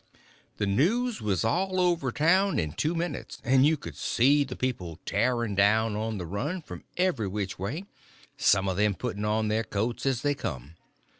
The news was all over town in two minutes, and you could see the people tearing down on the run from every which way, some of them putting on their coats as they come.